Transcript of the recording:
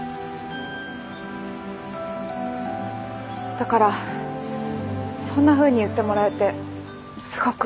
だからそんなふうに言ってもらえてすごくうれしいです。